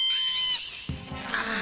あっ。